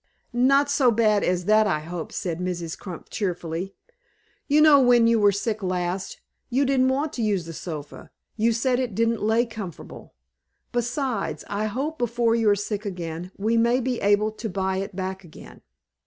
"Not so bad as that, I hope," said Mrs. Crump, cheerfully. "You know, when you was sick last, you didn't want to use the sofa you said it didn't lay comfortable. Besides, I hope, before you are sick again we may be able to buy it back again."